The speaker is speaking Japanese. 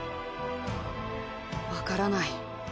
分からない。